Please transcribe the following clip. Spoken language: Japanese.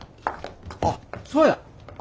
あっそうや！